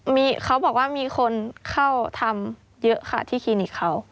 มีเขาบอกว่ามีคนเข้าทำเยอะค่ะที่คลินิกเขา